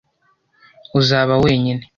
uzaba wenyine